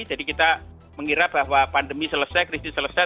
jadi kita mengira bahwa pandemi selesai krisis selesai